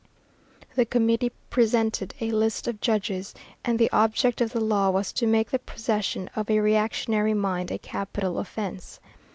The committee presented a list of judges, and the object of the law was to make the possession of a reactionary mind a capital offence.